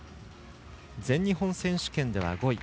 全日本選手権では５位。